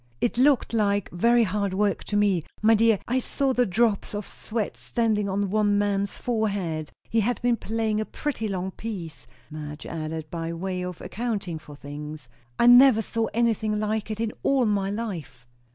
"It looked like very hard work, to me. My dear, I saw the drops of sweat standing on one man's forehead; he had been playing a pretty long piece," Madge added, by way of accounting for things. "I never saw anything like it, in all my life!"